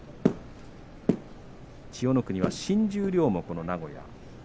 千代の国は新十両も名古屋。